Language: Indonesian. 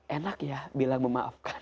enak ya bilang memaafkan